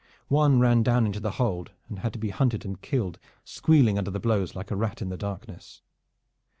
One ran down into the hold and had to be hunted and killed squealing under the blows like a rat in the darkness.